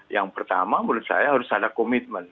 yang pertama menurut saya harus ada komitmen